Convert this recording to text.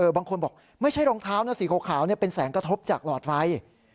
บางคนบอกไม่ใช่รองเท้านะสีขาวเป็นแสงกระทบจากหลอดไฟ